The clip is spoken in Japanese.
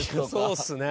そうっすね。